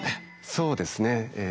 そうですねええ。